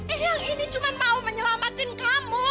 eh yang ini cuma mau menyelamatkan kamu